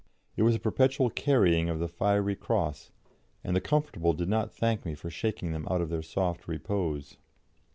It was a perpetual carrying of the fiery cross, and the comfortable did not thank me for shaking them out of their soft repose.